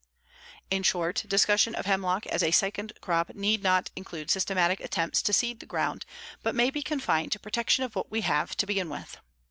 In short, discussion of hemlock as a second crop need not include systematic attempts to seed the ground but may be confined to protection of what we have to begin with.